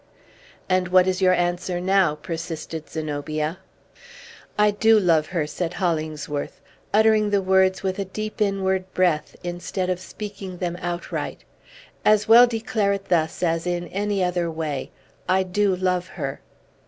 "And what is your answer now?" persisted Zenobia. "I do love her!" said Hollingsworth, uttering the words with a deep inward breath, instead of speaking them outright. "As well declare it thus as in any other way. I do love her!"